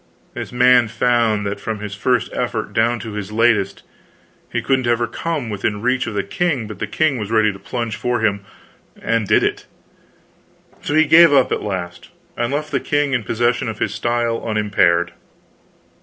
This man found that from his first effort down to his latest, he couldn't ever come within reach of the king, but the king was ready to plunge for him, and did it. So he gave up at last, and left the king in possession of his style unimpaired.